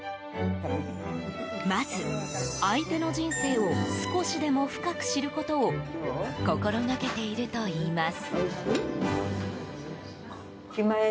まず、相手の人生を少しでも深く知ることを心がけているといいます。